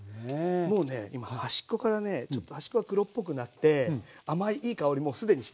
もうね今端っこからねちょっと端っこが黒っぽくなって甘いいい香りもう既にしています。